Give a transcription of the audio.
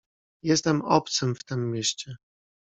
"Jestem obcym w tem mieście."